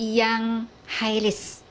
yang high risk